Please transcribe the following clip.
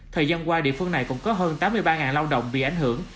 thời gian qua địa phương này cũng có hơn tám mươi ba lao động bị ảnh hưởng